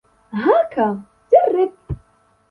هاك، جرب.